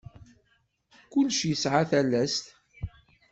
Kullec yesɛa talast.